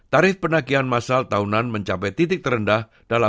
tarif penagihan masal tahunan mencapai titik terendah dalam